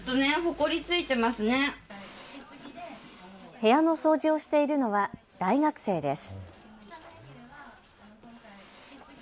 部屋の掃除をしているのは大学生です。